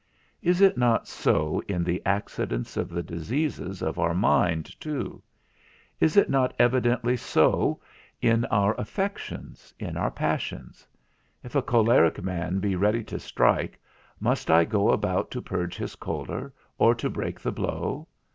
Is it not so in the accidents of the diseases of our mind too? Is it not evidently so in our affections, in our passions? If a choleric man be ready to strike, must I go about to purge his choler, or to break the blow?